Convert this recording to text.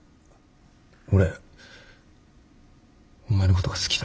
俺お前のことが好きだ。